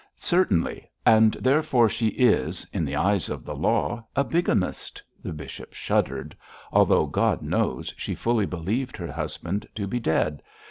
'Certainly. And therefore she is in the eyes of the law a bigamist' the bishop shuddered 'although, God knows, she fully believed her husband to be dead.